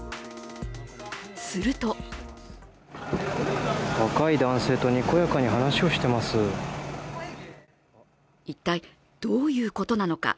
すると一体どういうことなのか。